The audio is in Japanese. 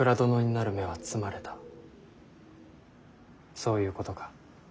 そういうことか。